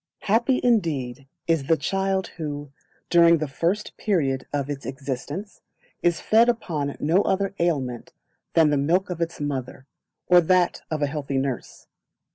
Happy indeed is the child who, during the first period of its existence, is fed upon no other aliment than the milk of its mother, or that of a healthy nurse.